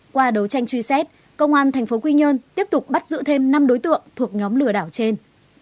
qua đấu tranh truy xét công an tp quy nhơn tiếp tục bắt giữ thêm năm đối tượng thuộc nhóm lừa đảo trên